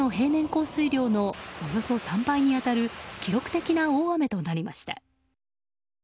降水量のおよそ３倍に当たる記録的な大雨となりました。